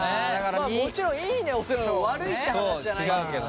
まあもちろんいいねをするのが悪いって話じゃないんだけどね。